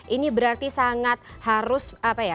ini berarti sangat harus apa ya